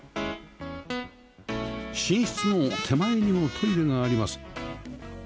寝室の手前にもトイレがあります